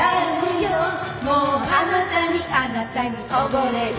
「もうあなたにあなたにおぼれる」